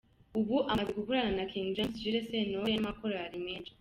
Ubu amaze gukorana na King James, Jules Sentore n’amakorali menshi.